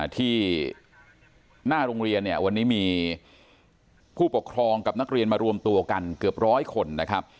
ที่หน้าโรงเรียนเนี่ยวันนี้มีผู้ปกครองกับนักเรียนมารวมตัวกันเกือบร้อยคนนะครับ